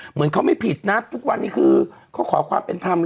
เหมือนเขาไม่ผิดนะทุกวันนี้คือเขาขอความเป็นธรรม